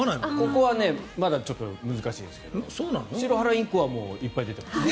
ここはまだちょっと難しいですけどシロハラインコはいっぱい出てます。